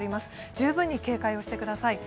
十分に警戒をしてください。